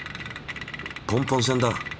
ポンポン船だ。